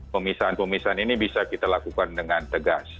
pemisahan pemisahan ini bisa kita lakukan dengan tegas